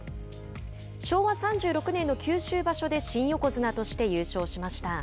昭和３６年の九州場所で新横綱として優勝しました。